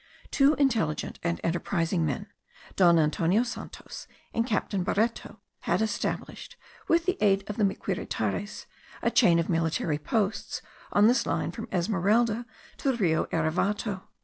Two intelligent and enterprising men, Don Antonio Santos and Captain Bareto, had established, with the aid of the Miquiritares, a chain of military posts on this line from Esmeralda to the Rio Erevato.